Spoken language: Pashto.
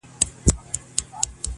مــروره در څه نـه يمـه ه ـ